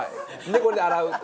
でこれで洗うと。